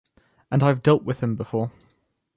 And I have dealt with him before.